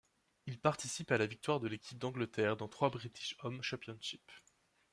Il participe à la victoire de l’équipe d’Angleterre dans trois British Home Championship.